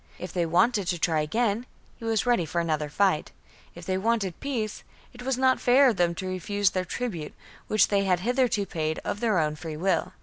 If they wanted to try again, he was ready for another fight ; if they wanted peace, it was not fair of them to refuse their tribute, which they had hitherto paid of their own free will.